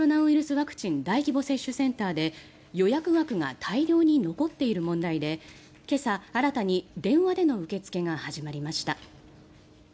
ワクチン大規模接種センターで予約枠が大量に残っている問題で今朝、新たに電話での受け付けが始まりました。